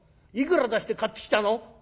いくら出して買ってきたの？」。